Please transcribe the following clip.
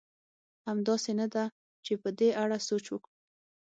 همداسې نه ده؟ چې په دې اړه سوچ وکړو.